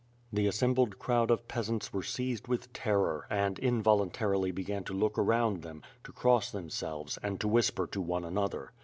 The aRRoml)led crowd of peasants were seized with terror and, involuntarily began to look around them, to cross them selves, and to whisper to one another.